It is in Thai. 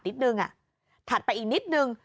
นิดนึงถัดไปอีกนิดนึง